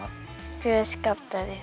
悔しかったです。